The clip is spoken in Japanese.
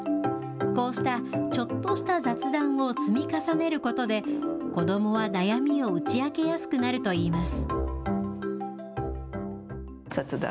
こうしたちょっとした雑談を積み重ねることで、子どもは悩みを打ち明けやすくなるといいます。